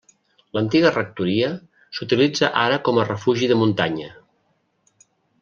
L'antiga rectoria s'utilitza ara com a refugi de muntanya.